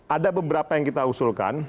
ada beberapa yang kita usulkan